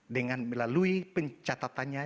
dengan melalui pencatatannya